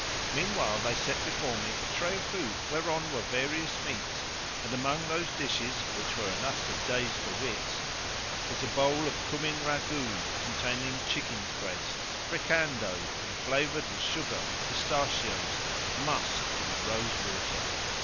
[FN#568] Meanwhile, they set before me a tray of food where on were various meats and among those dishes, which were enough to daze the wits, was a bowl of cumin ragout containing chickens breasts, fricandoed[FN#569] and flavoured with sugar, pistachios, musk and rose water.